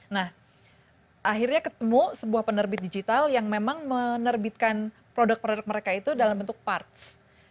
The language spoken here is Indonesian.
nah akhirnya ketemu sebuah penerbit digital yang memang menerbitkan produk produk mereka itu dalam bentuk parts